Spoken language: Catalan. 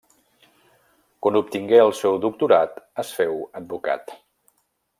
Quan obtingué el seu doctorat es féu advocat.